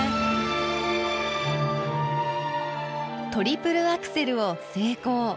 トリプルアクセルを成功。